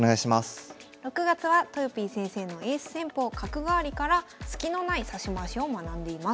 ６月はとよぴー先生のエース戦法角換わりからスキのない指し回しを学んでいます。